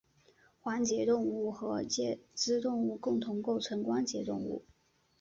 环节动物和节肢动物共同构成关节动物。